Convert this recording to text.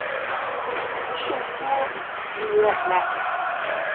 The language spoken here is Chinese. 圣波迪韦尔奈。